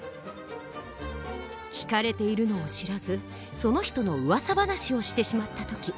「聞かれているのを知らずその人の噂話をしてしまった時。